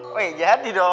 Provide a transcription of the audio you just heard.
woy jadi dong